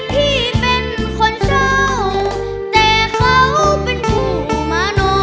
พี่เป็นคนเศร้าแต่เขาเป็นผู้มาโน